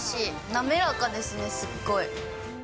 なめらかですね、すっごい。